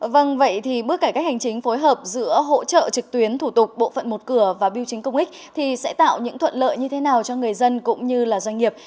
vâng vậy thì bước cải cách hành chính phối hợp giữa hỗ trợ trực tuyến thủ tục bộ phận một cửa và biểu chính công ích thì sẽ tạo những thuận lợi như thế nào cho người dân cũng như doanh nghiệp